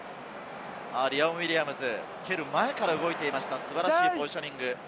リアム・ウィリアムズ、蹴る前から動いていました、素晴らしいポジショニング。